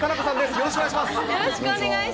よろしくお願いします。